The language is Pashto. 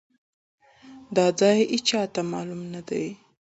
دا ځای ايچاته مالوم ندی.